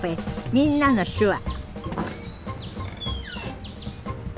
「みんなの手話」